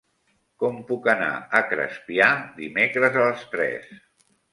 Com puc anar a Crespià dimecres a les tres?